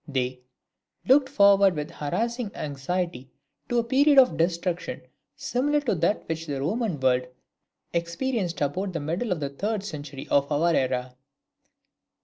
They "looked forward with harassing anxiety to a period of destruction similar to that which the Roman world experienced about the middle of the third century of our era."